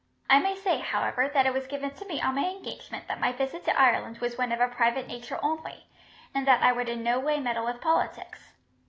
I may say, however, that it was given to me on my engagement that my visit to Ireland was one of a private nature only, and that I would in no way meddle with politics.